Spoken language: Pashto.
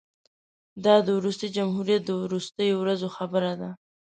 دا د وروستي جمهوریت د وروستیو ورځو خبره ده.